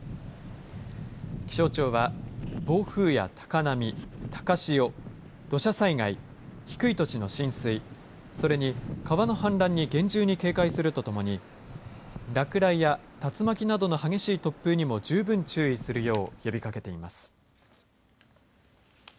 気象庁は暴風や高波高潮、土砂災害低い土地の浸水それに川の氾濫に厳重に警戒するとともに落雷や竜巻などの激しい突風にも十分、注意するよう呼びかけています。